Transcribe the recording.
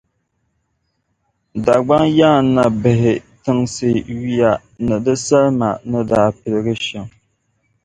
Dagbaŋ Ya-Nabihi tinsi yuya ni di salima ni daa piligi shɛm.